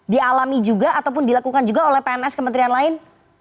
dialami juga ataupun dilakukan juga oleh pns kementerian lain